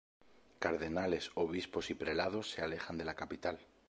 Cardenales, Obispos y Prelados se alejan de la capital.